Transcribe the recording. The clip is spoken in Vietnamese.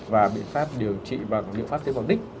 và biện pháp điều trị và cũng là biện pháp tiết phòng tích